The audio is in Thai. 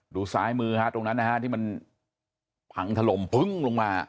ดูซ้ายมือฮะตรงนั้นนะฮะที่มันพังถล่มพึ่งลงมา